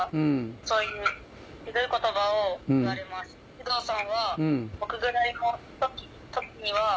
首藤さんは。